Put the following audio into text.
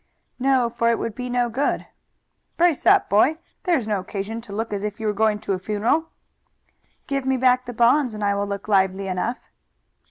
"No, for it would be no good." "Brace up, boy! There is no occasion to look as if you were going to a funeral." "Give me back the bonds and I will look lively enough."